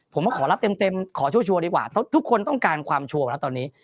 ผมมาขอรับเต็มขอชัวร์ดีกว่าทุกคนต้องการความชัวร์แล้วตอนนี้